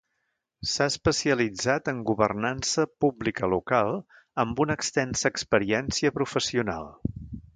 S'ha especialitzat en governança pública local, amb una extensa experiència professional.